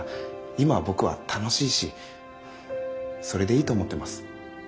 今僕は楽しいしそれでいいと思っています。